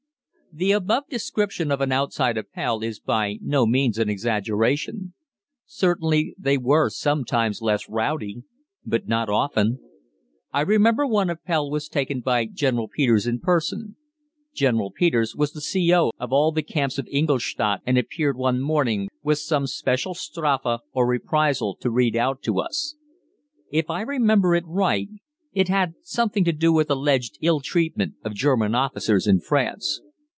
The above description of an outside Appell is by no means an exaggeration. Certainly they were sometimes less rowdy, but not often. I remember one Appell was taken by General Peters in person. General Peters was the C.O. of all the camps of Ingolstadt and appeared one morning with some special Strafe or reprisal to read out to us. If I remember right, it had something to do with alleged ill treatment of German officers in France.